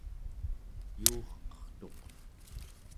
yuurqertuq